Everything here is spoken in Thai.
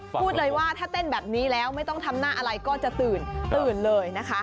พูดเลยว่าถ้าเต้นแบบนี้แล้วไม่ต้องทำหน้าอะไรก็จะตื่นตื่นเลยนะคะ